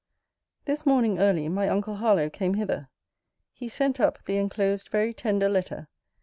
This morning early my uncle Harlowe came hither. He sent up the enclosed very tender letter.